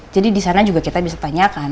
jadi di sana juga kita bisa tanyakan